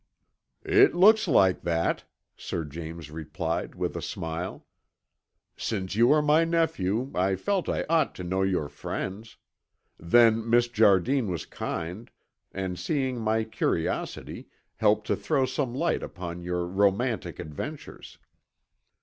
"It looks like that," Sir James replied with a smile. "Since you are my nephew, I felt I ought to know your friends. Then Miss Jardine was kind, and seeing my curiosity, helped to throw some light upon your romantic adventures."